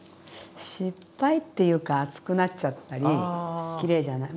失敗っていうか厚くなっちゃったりきれいじゃない。